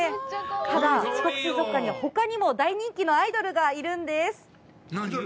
ただ、四国水族館にはほかにも大人気のアイドルがいるんです。